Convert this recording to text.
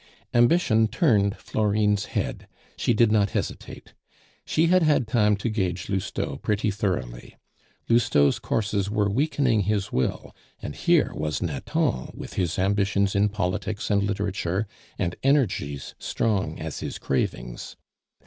Ambition turned Florine's head; she did not hesitate. She had had time to gauge Lousteau pretty thoroughly. Lousteau's courses were weakening his will, and here was Nathan with his ambitions in politics and literature, and energies strong as his cravings.